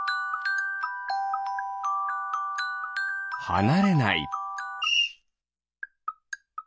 はなれない。